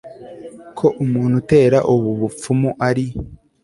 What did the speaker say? ko umuntu utera ubu bupfumu ari